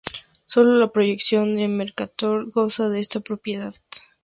Solo la proyección de Mercator goza de esta propiedad.